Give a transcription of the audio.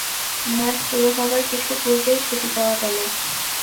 মেয়াদ পুরো হবার কিছু পূর্বেই ছুটি পাওয়া গেল।